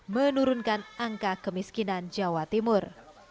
menurunkan angka kemiskinan jawa timur